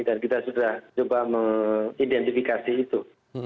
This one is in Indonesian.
dan kita sudah coba mengidentifikasi itu